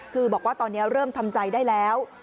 คือบอกว่าตอนนี้เริ่มทำใจได้แล้ว